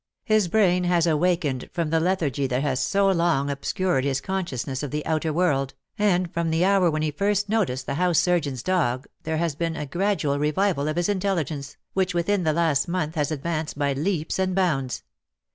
His brain has awakened from the lethargy that has so long obscured his consciousness of the outer world, and from the 96 DEAD LOVE HAS CHAINS. hour when he first noticed the house surgeon's dog there has been a gradual revival of his in telligence, which within the last month has advanced by leaps and bounds.